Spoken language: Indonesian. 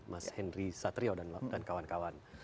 mas henry satrio dan kawan kawan